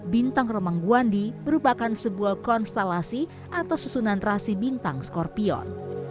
bintang romang guandi merupakan sebuah konstelasi atau susunan rahasi bintang skorpion